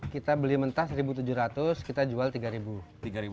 kita beli mentah rp satu tujuh ratus kita jual rp tiga